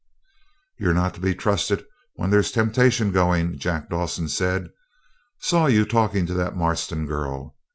'You're not to be trusted when there's temptation going,' Jack Dawson said. 'Saw you talking to that Marston girl.